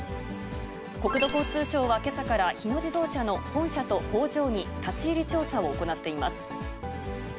国土交通省はけさから日野自動車の本社と工場に立ち入り調査を行っています。